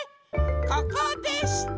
ここでした。